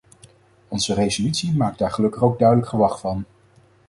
Onze resolutie maakt daar gelukkig ook duidelijk gewag van.